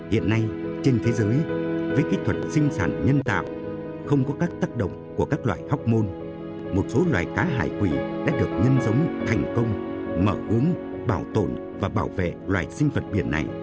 hiện nay trên thế giới với kỹ thuật sinh sản nhân tạp không có các tác động của các loài học môn một số loài cá hải quỷ đã được nhân sống thành công mở uống bảo tồn và bảo vệ loài sinh vật biển này